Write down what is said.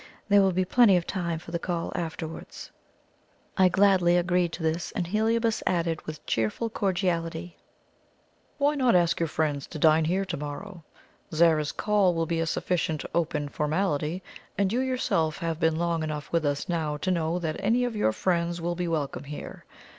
There will be plenty of time for the call afterwards." I gladly agreed to this, and Heliobas added with cheerful cordiality: "Why not ask your friends to dine here to morrow? Zara's call will be a sufficient opening formality; and you yourself have been long enough with us now to know that any of your friends will be welcome here.